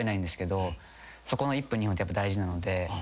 そこの１分２分ってやっぱ大事なので。